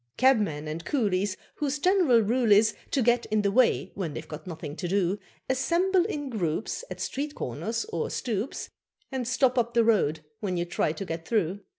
Cabmen and coolies, Whose general rule is To get in the way when they've got nothing to do, Assemble in groups At street corners or stoeps, And stop up the road when you try to get through.